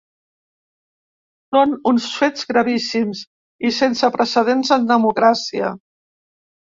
Són uns fets gravíssims i sense precedents en democràcia.